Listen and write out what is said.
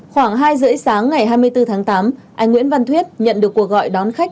khoảng hai h ba mươi sáng ngày hai mươi bốn tháng tám anh nguyễn văn thuyết nhận được cuộc gọi đón khách